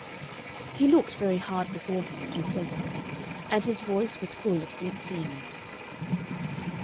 '" He looked very hard before him as he said this, and his voice was full of deep feeling.